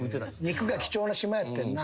肉が貴重な島やってんな。